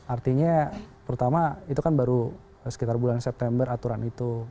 artinya pertama itu kan baru sekitar bulan september aturan itu